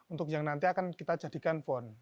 untuk yang nanti akan kita jadikan font